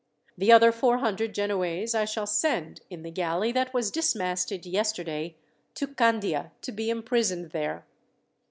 The other four hundred Genoese I shall send, in the galley that was dismasted yesterday, to Candia, to be imprisoned there.